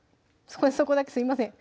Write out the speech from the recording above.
そこだけすいません